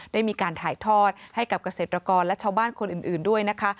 ได้มีการถ่ายทอดให้กับเกษตรกรและชาวบ้านคนอื่นด้วยนะคะ